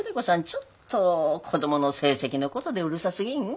ちょっと子供の成績のことでうるさすぎん？